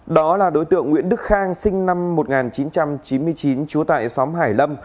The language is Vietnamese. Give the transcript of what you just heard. đó là đối tượng nguyễn đức khang sinh năm một nghìn chín trăm chín mươi chín trú tại xóm hải lâm